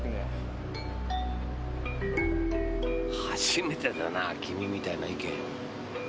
初めてだなぁ君みたいな意見。